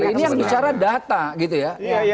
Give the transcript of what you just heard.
ini yang bicara data